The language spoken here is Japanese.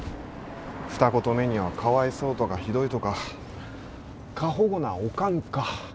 二言目にはかわいそうとかひどいとか過保護なオカンか。